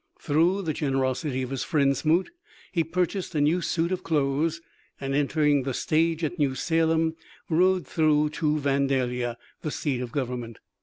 Through the gen erosity of his friend Smoot he purchased a new suit of clothes, and entering the stage at New Salem, rode through to Vandalia, the seat of government.